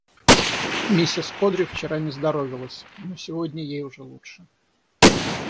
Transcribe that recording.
Миссис Одри вчера не здоровилось, но сегодня ей уже лучше.